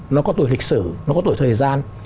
nó có tuổi lịch sử nó có tuổi thời gian